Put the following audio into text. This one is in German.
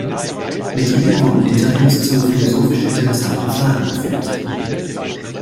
Mit ihnen wurden Interviews zu philosophisch interessanten Fragen geführt.